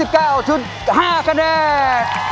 ๕๙๕คะแนน